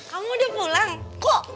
kamu udah pulang kok